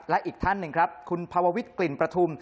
และอีกท่านหนึ่งครับคุณภาววิทย์กลิ่นประทุม